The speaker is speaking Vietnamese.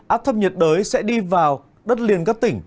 áp thấp nhiệt đới sẽ đi vào đất liền các tỉnh